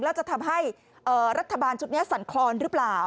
แล้วจะทำให้รัฐบาลชุดนี้สั่นคลอนหรือเปล่า